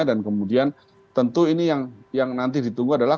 dan kemudian tentu ini yang nanti ditunggu adalah